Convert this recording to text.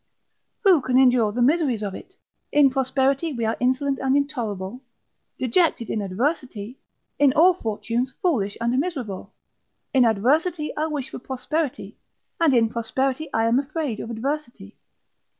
Who can endure the miseries of it? In prosperity we are insolent and intolerable, dejected in adversity, in all fortunes foolish and miserable. In adversity I wish for prosperity, and in prosperity I am afraid of adversity.